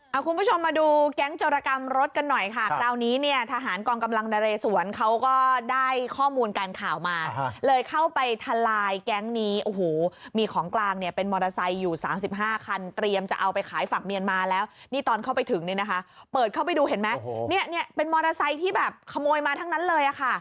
เอาคุณผู้ชมมาดูแก๊งจรกรรมรถกันหน่อยค่ะคราวนี้เนี่ยทหารกองกำลังนเรสวนเขาก็ได้ข้อมูลการข่าวมาเลยเข้าไปทลายแก๊งนี้โอ้โหมีของกลางเนี่ยเป็นมอเตอร์ไซค์อยู่สามสิบห้าคันเตรียมจะเอาไปขายฝั่งเมียนมาแล้วนี่ตอนเข้าไปถึงเนี่ยนะคะเปิดเข้าไปดูเห็นไหมเนี่ยเป็นมอเตอร์ไซค์ที่แบบขโมยมาทั้งนั้นเลยอ่ะค่ะ